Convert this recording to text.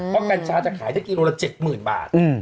พอกญชาจะขายซักกิโลละ๗๐๐๐๐บาท